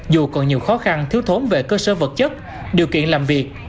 dù còn nhiều khó khăn thiếu thốn về cơ sở vật chất điều kiện làm việc